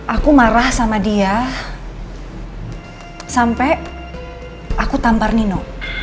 aku marah sama dia sampai aku tampar nino